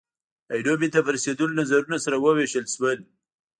عینو مینې ته په رسېدلو نظرونه سره ووېشل شول.